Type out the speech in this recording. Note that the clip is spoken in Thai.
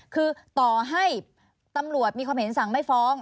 คือต่อให้ตำรวจมีความเห็นสั่งไม่ฟ้อง